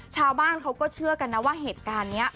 ชาวบ้านเขาก็เชื่อกันนะว่าเหตุการณ์นี้